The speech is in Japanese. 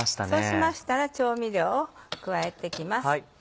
そうしましたら調味料を加えて行きます。